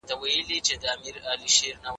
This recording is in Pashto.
شین سهار وو د مخلوق جوپې راتللې